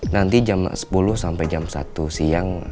nanti jam sepuluh sampai jam satu siang